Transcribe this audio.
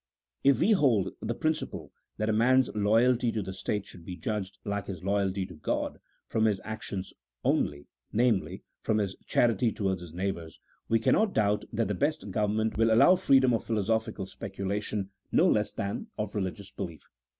If we hold to the prin ciple that a man's loyalty to the state should be judged, like his loyalty to G od, from his actions only — namely, from his charity towards his neighbours ; we cannot doubt that the best government will allow freedom of philosophi cal speculation no less than of religious belief